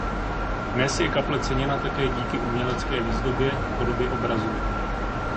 Dnes je kaple ceněna také díky umělecké výzdobě v podobě obrazů.